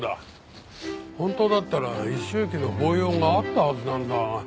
本当だったら一周忌の法要があったはずなんだが。